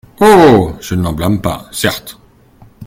Oh ! je ne l’en blâme pas, certes !